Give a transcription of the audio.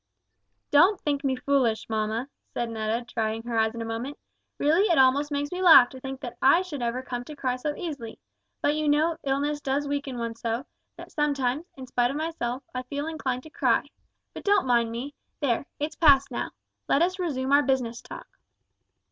"Don't think me foolish, mamma," said Netta, drying her eyes in a moment; "really it almost makes me laugh to think that I should ever come to cry so easily; but you know illness does weaken one so, that sometimes, in spite of myself, I feel inclined to cry. But don't mind me; there, it's past now. Let us resume our business talk."